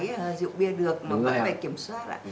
rượu bia được mà vẫn phải kiểm soát ạ